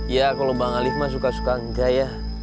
ya kalo bang alif mah suka suka enggak ya